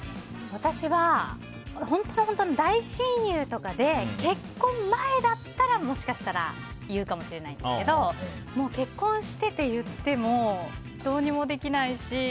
私は、本当の本当の大親友とかで結婚前だったら、もしかしたら言うかもしれないですけど結婚していて言ってもどうにもできないし。